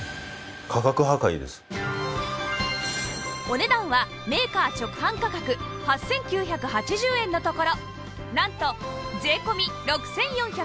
お値段はメーカー直販価格８９８０円のところなんと税込６４８０円